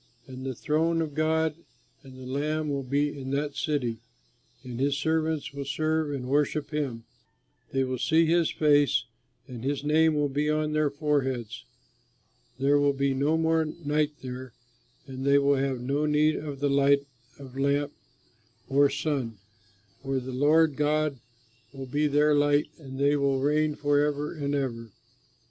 And the throne of God and the Lamb will be in that city; and his servants will serve and worship him; they will see his face and his name will be on their foreheads. There will be no more night there, and they will have no need of the light of lamp or sun, for the Lord God will be their light, and they will reign forever and ever.